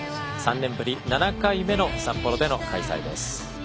３年ぶり７回目の札幌での開催です。